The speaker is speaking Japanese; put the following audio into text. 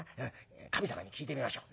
神様に聞いてみましょう。